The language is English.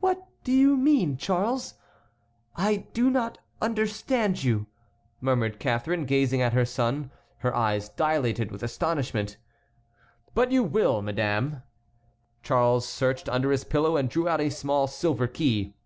"What do you mean, Charles? I do not understand you," murmured Catharine, gazing at her son, her eyes dilated with astonishment. "But you will, madame." Charles searched under his pillow and drew out a small silver key.